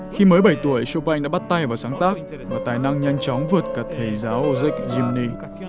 khi mới bảy tuổi chopin đã bắt tay vào sáng tác và tài năng nhanh chóng vượt cả thầy giáo ozek jimny